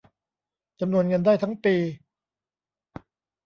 จำนวนเงินได้ทั้งปี